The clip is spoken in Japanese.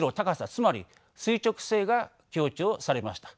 つまり垂直性が強調されました。